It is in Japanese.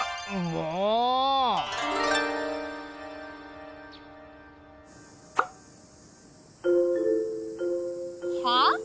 もう！はあ？